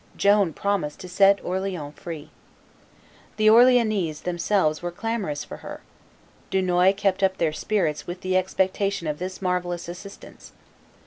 Joan promised to set Orleans free. The Orleannese themselves were clamorous for her; Dunois kept up their spirits with the expectation of this marvellous assistance.